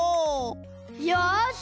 よし！